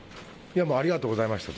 ありがとうございましたと。